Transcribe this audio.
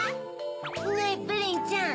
ねぇプリンちゃん